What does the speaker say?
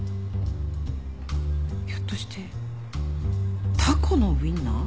ひょっとしてタコのウィンナー？